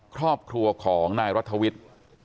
ครอบครัวของนายรัฐวิทย์